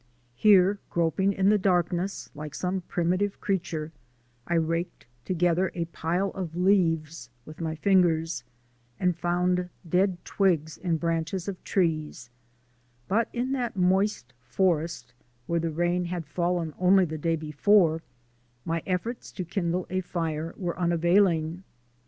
Here, groping in the darkness, like some primitive creature, I raked together a pile of leaves with my fingers, and found dead twigs and branches of trees; but in that moist forest (where the rain had fallen only the day before) my efforts to kindle a fire were unavailing.